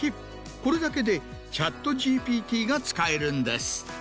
これだけでＣｈａｔＧＰＴが使えるんです。